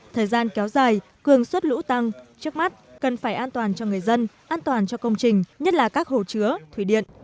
thời gian kéo dài cường suất lũ tăng trước mắt cần phải an toàn cho người dân an toàn cho công trình nhất là các hồ chứa thủy điện